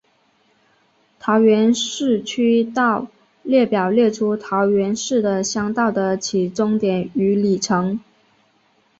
桃园市区道列表列出桃园市的乡道的起终点与里程。